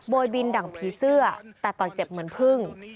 โดยบินดั่งผีเสื้อแต่ต่อยเจ็บเหมือนพึ่ง